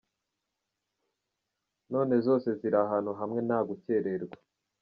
None zose ziri ahantu hamwe nta gukererwa.